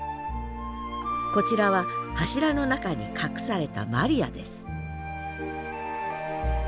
こちらは柱の中に隠されたマリアです